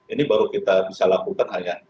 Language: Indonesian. ini baru kita bisa lakukan hanya